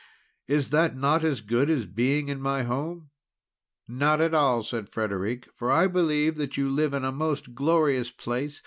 Is that not as good as being in my home?" "Not at all," said Frederic, "for I believe that you live in a most glorious place.